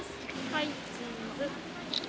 はいチーズ。